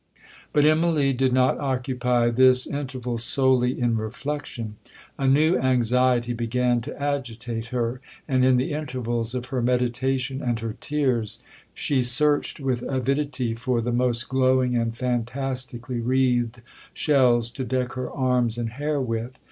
'But Immalee did not occupy this interval solely in reflection'; a new anxiety began to agitate her; and in the intervals of her meditation and her tears, she searched with avidity for the most glowing and fantastically wreathed shells to deck her arms and hair with.